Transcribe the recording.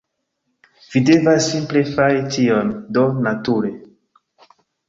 Vi devas simple fari tion... do nature...